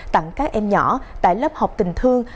tặng các em nhỏ tại lớp học tình thương